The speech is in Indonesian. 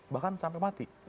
bahkan sampai mati